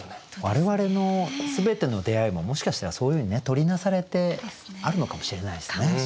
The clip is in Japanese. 我々の全ての出会いももしかしたらそういうふうに取りなされてあるのかもしれないですね。